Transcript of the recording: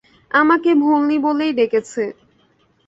আমাকে ভোল নি বলেই ডেকেছ।